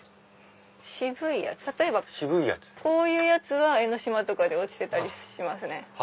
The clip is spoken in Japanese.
例えばこういうやつは江の島とかで落ちてたりしますね。